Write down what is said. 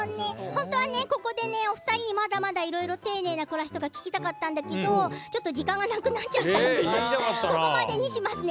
本当はここでお二人にいろいろ丁寧な暮らしとか聞きたかったんだけど時間がなくなっちゃったんでまたにしますね。